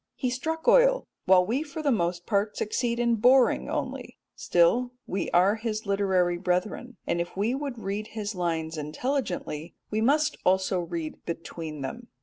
He struck oil, while we for the most part succeed in boring only; still we are his literary brethren, and if we would read his lines intelligently we must also read between them.